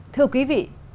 thưa quý vị